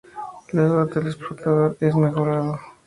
Luego el teletransportador es mejorado.